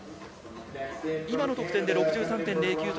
今の得点で６３．０９。